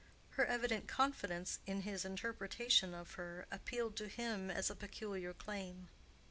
Her evident confidence in his interpretation of her appealed to him as a peculiar claim.